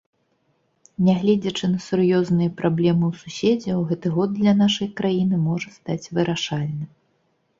Нягледзячы на сур'ёзныя праблемы ў суседзяў, гэты год для нашай краіны можа стаць вырашальным.